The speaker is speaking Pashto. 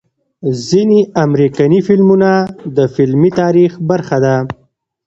ځنې امريکني فلمونه د فلمي تاريخ برخه ده